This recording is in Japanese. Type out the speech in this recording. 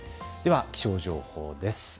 では気象情報です。